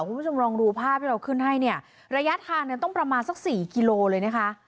คุณผู้ชมลองดูภาพที่เราขึ้นให้เนี่ยระยะทางเนี่ยต้องประมาณสักสี่กิโลเลยนะคะ